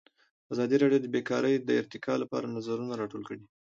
ازادي راډیو د بیکاري د ارتقا لپاره نظرونه راټول کړي.